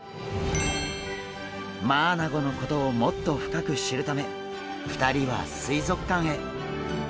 マアナゴのことをもっと深く知るため２人は水族館へ。